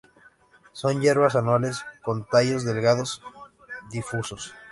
Son hierbas anuales con tallos delgados, difusos.